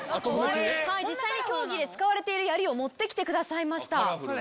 実際に競技で使われているやりを持ってきてくださいました。